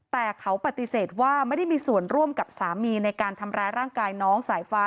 แต่เขาปฏิเสธว่าไม่ได้มีส่วนร่วมกับสามีในการทำร้ายร่างกายน้องสายฟ้า